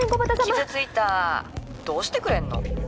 傷ついたどうしてくれんの？